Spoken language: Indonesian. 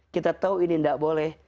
kita tahu ini tidak boleh